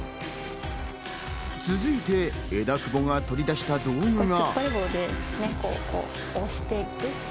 続いて、枝久保が取り出した道具が。